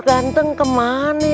dokter ganteng kemana